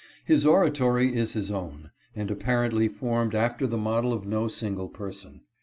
His oratory is his own, and apparently formed after the model of no single person.